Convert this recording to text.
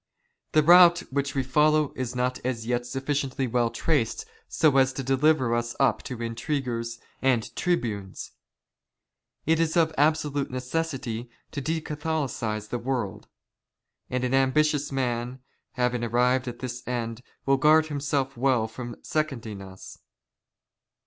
" The route which we follow is not as yet sufiiciently well traced " so as to deliver us up to intriguers and tribunes. It is of ^' absolute necessity to de Catholicise the world. And an "ambitious man, having arrived at his end, will guard himself " well from seconding us.